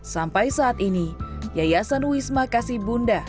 sampai saat ini yayasan wisma kasih bunda